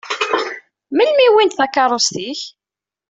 Melmi i wwint takeṛṛust-ik?